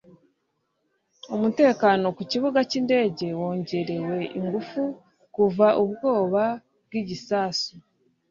umutekano ku kibuga cy'indege wongerewe ingufu kuva ubwoba bw'igisasu